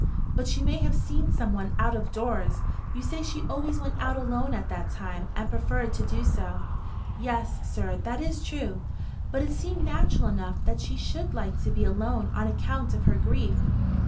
But she may have seen some one out of doors. You say she always went out alone at that time, and preferred to do so." "Yes, sir, that is true. But it seemed natural enough that she should like to be alone on account of her grief."